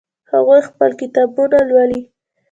هغوی خپلې کتابونه لولي